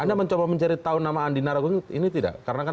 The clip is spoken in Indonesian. anda mencoba mencari tahu nama andina rogong ini tidak